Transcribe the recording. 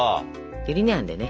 ゆり根あんでね